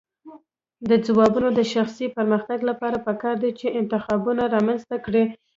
د ځوانانو د شخصي پرمختګ لپاره پکار ده چې انتخابونه رامنځته کړي.